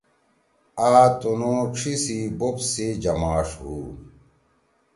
آ تُنُو ڇھی سی بوپ سی جماݜ ہُو۔